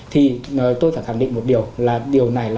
thì tôi thẳng khẳng định một điều là điều này